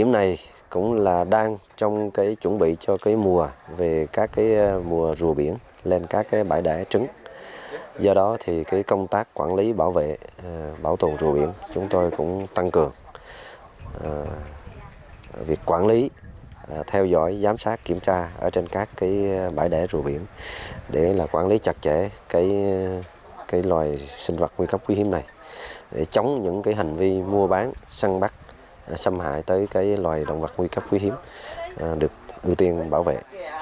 những hành vi mua bán săn bắt xâm hại tới loài động vật nguy cấp quý hiếm được ưu tiên bảo vệ